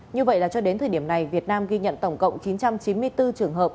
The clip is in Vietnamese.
như vậy là cho đến thời điểm này việt nam ghi nhận tổng cộng chín trăm chín mươi bốn trường hợp